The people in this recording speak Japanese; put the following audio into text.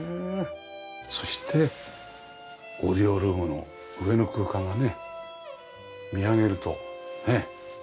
そしてオーディオルームの上の空間がね見上げるとね。